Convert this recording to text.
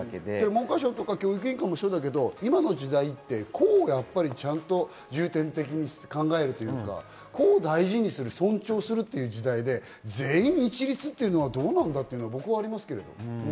文科省、教育委員会もそうだけど、今の時代は個をやっぱり重点的に考えるというか、個を大事にする、尊重する時代で、全員一律というのはどうなんだというの僕はありますけど。